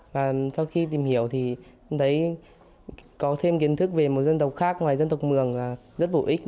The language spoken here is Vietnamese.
và sau khi tìm hiểu thì em thấy có thêm kiến thức về một dân tộc khác ngoài dân tộc mường rất bổ ích